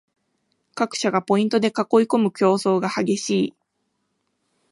各社がポイントで囲いこむ競争が激しい